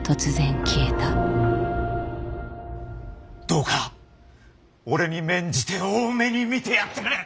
どうか俺に免じて大目に見てやってくれ。